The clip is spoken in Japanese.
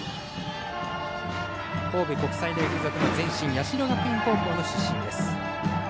神戸国際大付属の前身八代学院高校の出身です。